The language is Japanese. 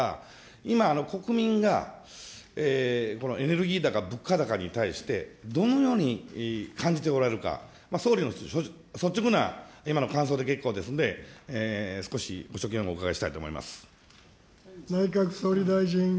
今、国民がこのエネルギー高、物価高に対して、どのように感じておられるか、総理の率直な今の感想で結構ですんで、少しご所見をお伺いしたいと思います。